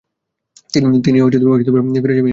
তিনি ফিরে যাবেন ইরানে।